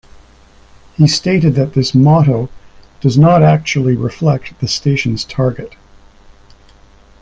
He stated that this motto does not actually reflect the station's target.